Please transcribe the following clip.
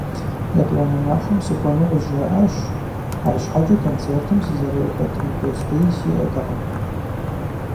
ЕтӀуанэ махуэм сыкӀуэну къызжаӀащ, арщхьэкӀэ концертым сызэрыхэтын бостей сиӀэтэкъым.